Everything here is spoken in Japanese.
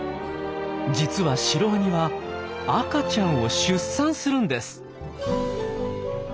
実はシロワニは赤ちゃんを出産するんです。